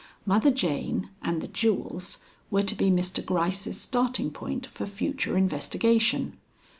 Mother Jane and the jewels were to be Mr. Gryce's starting point for future investigation.